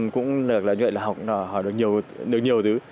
cũng được như vậy là học được nhiều thứ